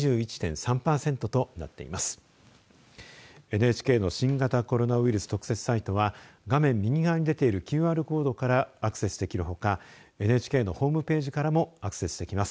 ＮＨＫの新型コロナウイルス特設サイトは画面右側に出ているＱＲコードからアクセスできるほかＮＨＫのホームページからもアクセスできます。